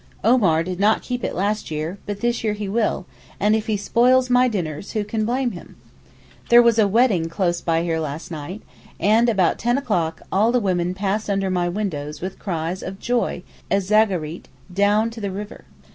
Omar did not keep it last year, but this year he will, and if he spoils my dinners, who can blame him? There was a wedding close by here last night, and about ten o'clock all the women passed under my windows with crys of joy 'ez zaghareet' down to the river.